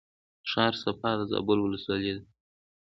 ښار صفا د زابل ولسوالۍ ده